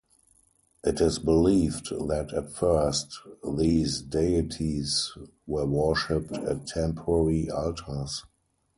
It is believed that, at first, these deities were worshiped at temporary altars.